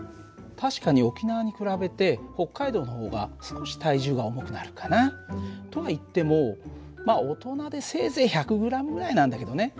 確かに沖縄に比べて北海道の方が少し体重が重くなるかな。とはいっても大人でせいぜい１００ｇぐらいなんだけどね。